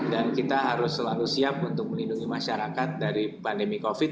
dan kita harus selalu siap untuk melindungi masyarakat dari pandemi covid sembilan belas